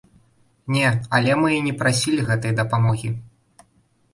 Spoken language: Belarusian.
Не, але мы і не прасілі гэтай дапамогі.